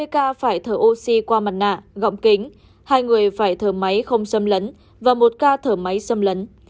hai mươi ca phải thở oxy qua mặt nạ gọng kính hai người phải thở máy không xâm lấn và một ca thở máy xâm lấn